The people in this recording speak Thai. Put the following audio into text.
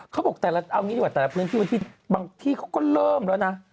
เขาบอกแต่ละเอางี้ดีกว่าแต่ละพื้นที่บางที่เขาก็เริ่มแล้วนะ